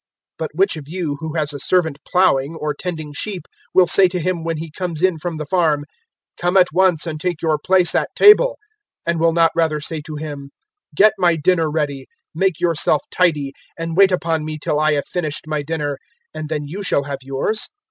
017:007 But which of you who has a servant ploughing, or tending sheep, will say to him when he comes in from the farm, `Come at once and take your place at table,' 017:008 and will not rather say to him, `Get my dinner ready, make yourself tidy, and wait upon me till I have finished my dinner, and then you shall have yours'?